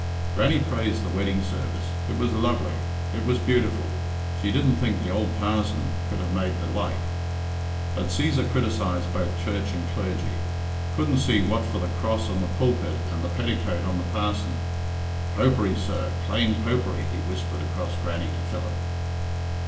Grannie praised the wedding service it was lovely it was beautiful she didn't think the ould parzon could have made the like; but Cæsar criticised both church and clergy couldn't see what for the cross on the pulpit and the petticoat on the parson. "Popery, sir, clane Popery," he whispered across Grannie to Philip.